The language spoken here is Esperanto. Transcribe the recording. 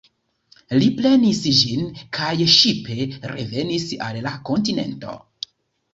Li prenis ĝin, kaj ŝipe revenis al la kontinento.